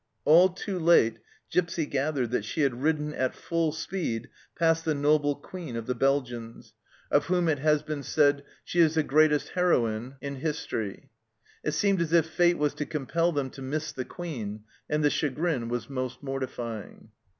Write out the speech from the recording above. All too late Gipsy gathered that she had ridden at full speed past the noble Queen of the Belgians, of whom it 220 THE CELLAR HOUSE OF PERVYSE has been said, " She is the greatest heroine in history." It seemed as if Fate was to compel them to miss the Queen, and the chagrin was most mortifying.